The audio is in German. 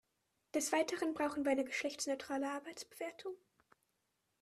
Desweiteren brauchen wir eine geschlechtsneutrale Arbeitsbewertung.